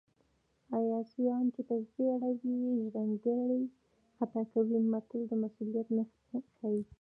اسیاوان چې تسبې اړوي ژرندګړی خطا کوي متل د مسوولیت ښيي